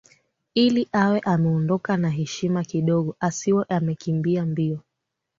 ili awe ameondoka na heshima kidogo asiwe amekimbia mbio